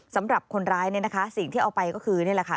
สำหรับคนร้ายเนี่ยนะคะสิ่งที่เอาไปก็คือนี่แหละค่ะ